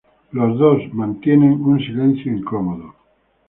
Los dos están en un silencio incómodo.